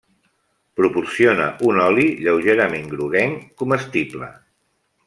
Proporciona un oli lleugerament groguenc comestible.